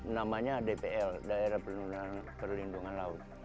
namanya dpl daerah perlindungan laut